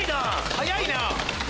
早いな。